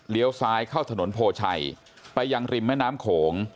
ซ้ายเข้าถนนโพชัยไปยังริมแม่น้ำโขง